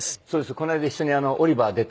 この間一緒に『オリバー！』出て。